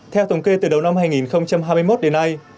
theo thống kê từ đầu năm hai nghìn hai mươi một đến nay